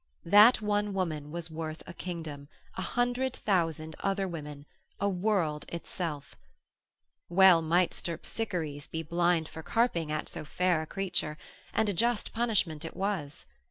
That one woman was worth a kingdom, a hundred thousand other women, a world itself. Well might Sterpsichores be blind for carping at so fair a creature, and a just punishment it was.